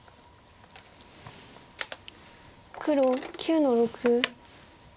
黒９の六。